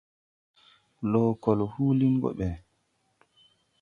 Blo kol huulin go ɓɛ.